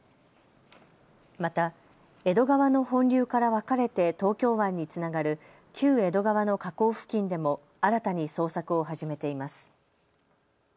また、江戸川の本流から分かれて東京湾につながる旧江戸川の河口付近でも新たに捜索を始めています。